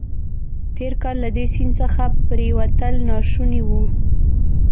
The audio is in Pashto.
تېر کال له دې سیند څخه پورېوتل ناشوني وو.